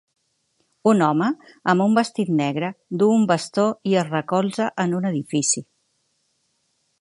Un home amb un vestit negre duu un bastó i es recolza en un edifici.